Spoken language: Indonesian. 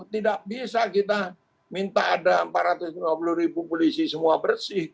tidak bisa kita minta ada empat ratus lima puluh ribu polisi semua bersih